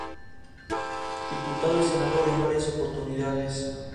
Curt Lowe fue un reconocido productor de cine publicitario en Argentina.